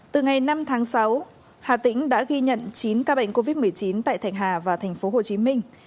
từ ngày năm tháng sáu hà tĩnh đã ghi nhận chín ca bệnh covid một mươi chín tại thạch hà và thành phố hồ chí minh